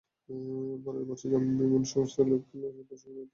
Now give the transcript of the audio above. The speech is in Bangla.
পরের বছর জার্মান বিমান সংস্থা লুফথানসায় প্রশিক্ষণার্থী বিমানচালক হিসেবে যোগ দেন।